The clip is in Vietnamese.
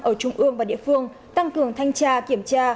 ở trung ương và địa phương tăng cường thanh tra kiểm tra